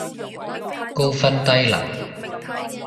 高分低能